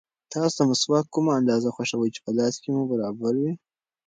تاسو د مسواک کومه اندازه خوښوئ چې په لاس کې مو برابر وي؟